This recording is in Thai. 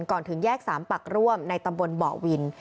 ก่อนถึงแยก๓ปักร่วมในตำบลบ่อวิน